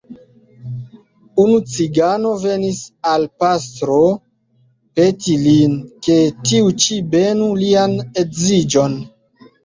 Unu cigano venis al pastro peti lin, ke tiu ĉi benu lian edziĝon.